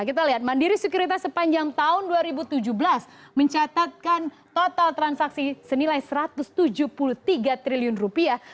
kita lihat mandiri securitas sepanjang tahun dua ribu tujuh belas mencatatkan total transaksi senilai satu ratus tujuh puluh tiga triliun rupiah